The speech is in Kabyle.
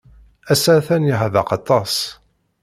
Ass-a atan yeḥdeq aṭas.